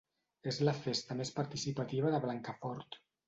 És la festa més participativa de Blancafort.